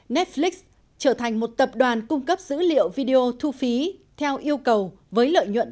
netflix trở thành một tập đoàn cung cấp dữ liệu video thu phí theo yêu cầu với lợi nhuận